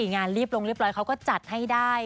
งานรีบลงเรียบร้อยเขาก็จัดให้ได้